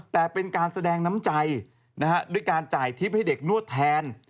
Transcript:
แต่เป็นการแสดงน้ำใจด้วยการจ่ายทิพย์ให้เด็กนวดแทน